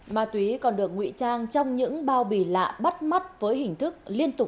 ma túy còn được nguy trang trong những bao bì lạ bắt mắt với hình thức liên tục